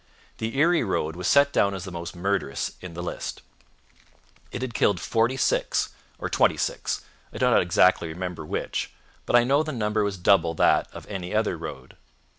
The Erie road was set down as the most murderous in the list. It had killed forty six or twenty six, I do not exactly remember which, but I know the number was double that of any other road.